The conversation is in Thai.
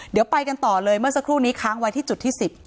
เดี๋ยวไปกันต่อเลยเมื่อสักครู่นี้ค้างไว้ที่จุดที่๑๐